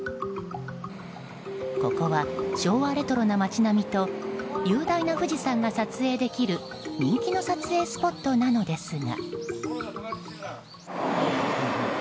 ここは昭和レトロな街並みと雄大な富士山が撮影できる人気の撮影スポットなのですが。